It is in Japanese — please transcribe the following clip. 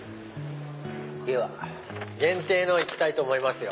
では限定のいきたいと思いますよ。